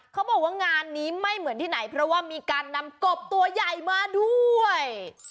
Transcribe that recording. เขาบอกว่างานนี้ไม่เหมือนที่ไหนเพราะว่ามีการนำกบตัวใหญ่มาด้วย